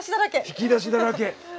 引き出しだらけ。